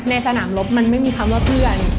ในสนามรบมันไม่มีคำว่าเพื่อน